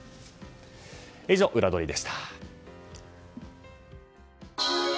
以上、ウラどりでした。